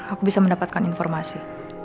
aku bisa mendapatkan informasi